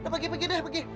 pegi pegi deh pergi